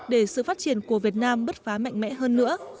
để sự phát triển của việt nam bứt phá mạnh mẽ hơn nữa